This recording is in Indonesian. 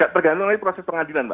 tergantung dari proses pengadilan